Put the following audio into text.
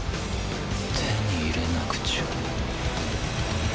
手に入れなくちゃ